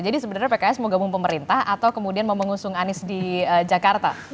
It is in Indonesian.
jadi sebenarnya pks mau gabung pemerintah atau kemudian mau mengusung anies di jakarta